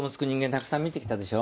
たくさん見てきたでしょ。